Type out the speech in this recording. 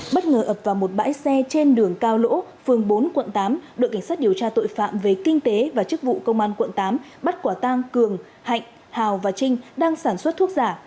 bất ngờ ập vào một bãi xe trên đường cao lỗ phường bốn quận tám đội cảnh sát điều tra tội phạm về kinh tế và chức vụ công an quận tám bắt quả tang cường hạnh hào và trinh đang sản xuất thuốc giả